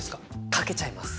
かけちゃいます。